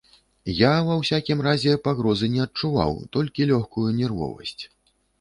Я, ва ўсякім разе, пагрозы не адчуваў, толькі лёгкую нервовасць.